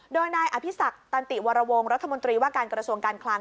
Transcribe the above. โดยนายอภิษักตันติวรวงรัฐมนตรีว่าการกระทรวงการคลัง